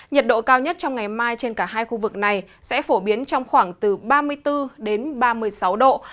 nhiệt độ cao nhất trong ngày mai trên cả hai khu vực này sẽ phổ biến trong khoảng từ ba mươi bốn ba mươi sáu độ